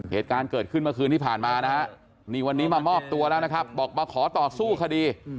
เหตุการณ์เกิดขึ้นเมื่อคืนที่ผ่านมานะฮะนี่วันนี้มามอบตัวแล้วนะครับบอกมาขอต่อสู้คดี